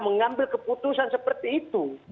mengambil keputusan seperti itu